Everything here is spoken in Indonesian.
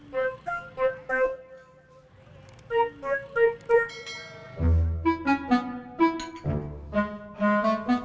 woda miskin senjata wis updated light alarm